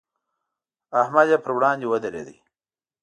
احمد یې پر وړاندې ودرېد.